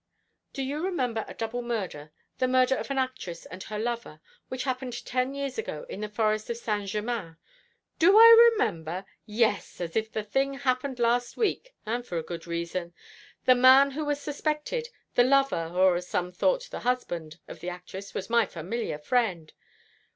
"Do you remember a double murder the murder of an actress and her lover which happened ten years ago, in the forest of Saint Germain?" "Do I remember? Yes, as if the thing had happened last week; and for a good reason. The man who was suspected the lover, or, as some thought, the husband, of the actress was my familiar friend."